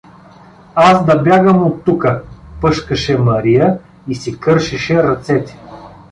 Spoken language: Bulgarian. — Аз да бягам оттука? — пъшкаше Мария и си кършеше ръцете.